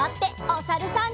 おさるさん。